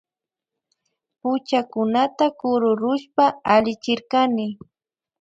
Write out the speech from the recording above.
Puchakunata kururushpa allichirkani